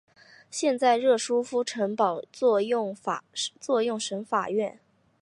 现在热舒夫城堡用作省法院。